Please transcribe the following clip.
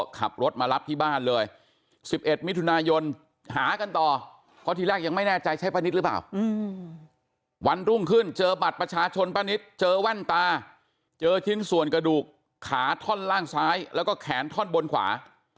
กระดูกขาท่อนล่างซ้ายแล้วก็แขนท่อนบนขวา